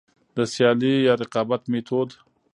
د سيالي يا رقابت ميتود: